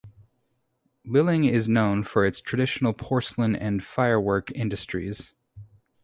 Liling is known for its traditional porcelain and firework industries.